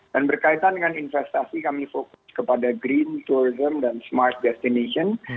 dan berkaitan dengan investasi kami fokus kepada green tourism dan smart destination